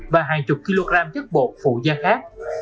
và hàng chục kg chất bột phụ gia khác